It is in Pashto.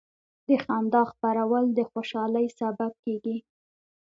د خندا خپرول د خوشحالۍ سبب کېږي.